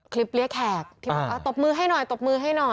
คลิปเรียกแขกตบมือให้หน่อยตบมือให้หน่อย